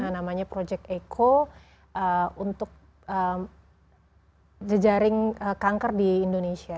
namanya project eco untuk jejaring kanker di indonesia